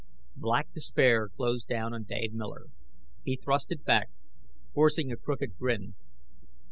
Black despair closed down on Dave Miller. He thrust it back, forcing a crooked grin.